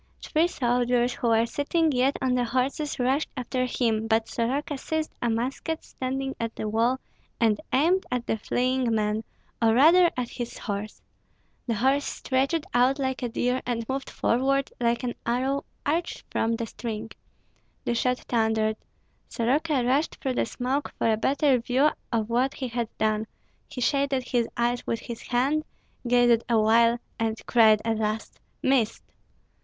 Three soldiers who were sitting yet on the horses rushed after him; but Soroka seized a musket standing at the wall, and aimed at the fleeing man, or rather at his horse. The horse stretched out like a deer, and moved forward like an arrow urged from the string. The shot thundered. Soroka rushed through the smoke for a better view of what he had done; he shaded his eyes with his hand, gazed awhile, and cried at last, "Missed!"